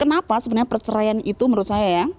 kenapa sebenarnya perceraian itu menurut saya ya